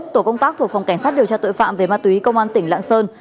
tổ công tác thuộc phòng cảnh sát điều tra tội phạm về ma túy công an tỉnh lạng sơn